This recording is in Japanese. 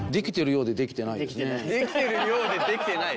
「できてるようでできてない」